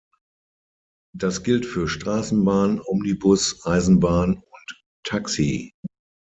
Das gilt für Straßenbahn, Omnibus, Eisenbahn und Taxi.